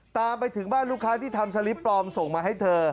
ตามไปถึงบ้านลูกค้าที่ทำสลิปปลอมส่งมาให้เธอ